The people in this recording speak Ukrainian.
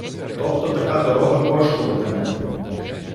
Тобто така дорога коштуватиме